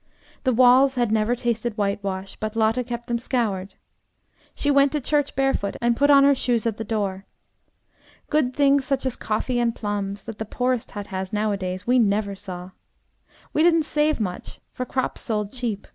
The walls had never tasted whitewash, but Lotte kept them scoured. She went to church barefoot, and put on her shoes at the door. Good things such as coffee and plums, that the poorest hut has now a days, we never saw. We didn't save much, for crops sold cheap.